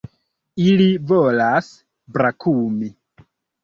Ili volas brakumi!